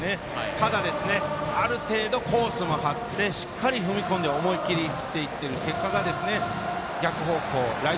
ただ、ある程度、コースも張ってしっかり踏み込んで思いっきり振っていってる結果が、逆方向